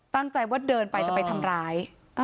ตั้งใจว่าเดินไปจะไปทำร้าย